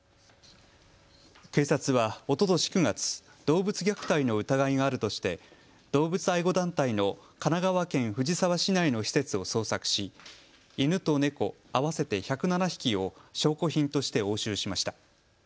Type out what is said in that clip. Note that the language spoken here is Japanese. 警察はおととし９月、動物虐待の疑いがあるとして動物愛護団体の神奈川県藤沢市内の施設を捜索し犬と猫合わせて１０７匹を証拠品として押収しました。